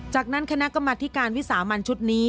จากนั้นคณะกรรมธิการวิสามันชุดนี้